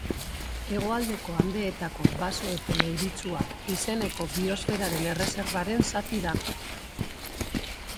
Hegoaldeko Andeetako Baso Epel Euritsuak izeneko Biosferaren Erreserbaren zati da.